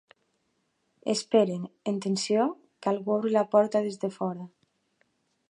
Esperen, en tensió, que algú obri la porta des de fora.